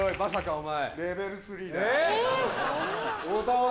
お前。